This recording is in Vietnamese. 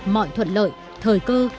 mọi thuận lợi thời cơ